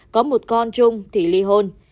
có một con chung thì ly hôn